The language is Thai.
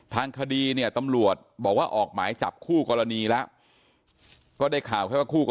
ทางคดีเนี่ยตำรวจบอกว่าออกหมายจับคู่กรณีละ